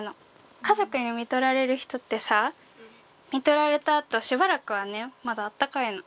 家族にみとられる人ってさみとられたあとしばらくはねまだあったかいの。